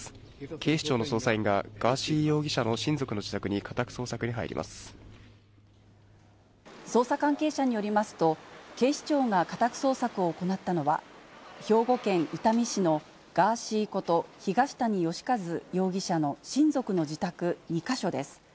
警視庁の捜査員が、ガーシー容疑者の親族の自宅に家宅捜索に入り捜査関係者によりますと、警視庁が家宅捜索を行ったのは、兵庫県伊丹市のガーシーこと東谷義和容疑者の親族の自宅２か所です。